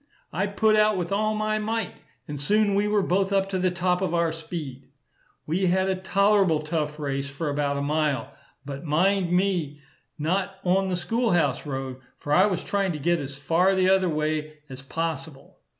I put out with all my might, and soon we were both up to the top of our speed. We had a tolerable tough race for about a mile; but mind me, not on the school house road, for I was trying to get as far the t'other way as possible.